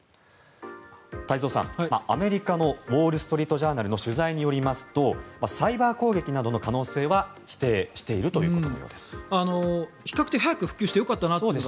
太蔵さん、アメリカのウォール・ストリート・ジャーナルの取材によりますとサイバー攻撃などの可能性は否定しているということのようです。